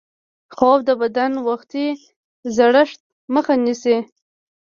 خوب د بدن وختي زړښت مخه نیسي